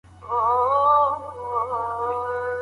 د کلیو او ښارونو ترمنځ روغتیایي توپیر څه دی؟